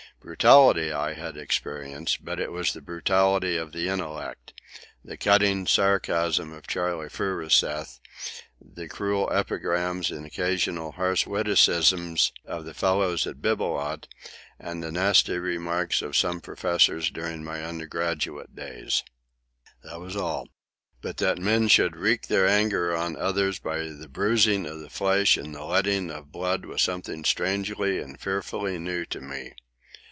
Brutality I had experienced, but it was the brutality of the intellect—the cutting sarcasm of Charley Furuseth, the cruel epigrams and occasional harsh witticisms of the fellows at the Bibelot, and the nasty remarks of some of the professors during my undergraduate days. That was all. But that men should wreak their anger on others by the bruising of the flesh and the letting of blood was something strangely and fearfully new to me.